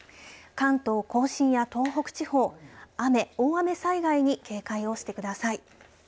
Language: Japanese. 関東甲信や東北地方雨、大雨災害に警戒をしてください。